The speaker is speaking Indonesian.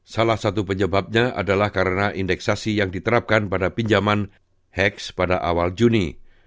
salah satu penyebabnya adalah karena indeksasi yang diterapkan pada pinjaman hecs pada awal juni